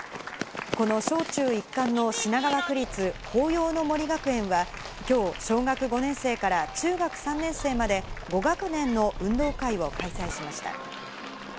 この小中一貫の品川区立豊葉の杜学園は、きょう、小学５年生から中学３年生まで、５学年の運動会を開催しました。